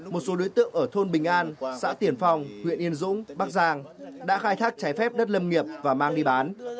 một số đối tượng ở thôn bình an xã tiển phong huyện yên dũng bắc giang đã khai thác trái phép đất lâm nghiệp và mang đi bán